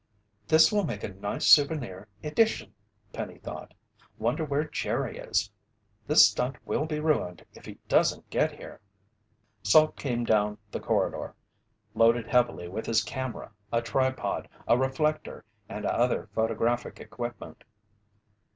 "This will make a nice souvenir edition," Penny thought. "Wonder where Jerry is? The stunt will be ruined if he doesn't get here." Salt came down the corridor, loaded heavily with his camera, a tripod, a reflector, and other photographic equipment.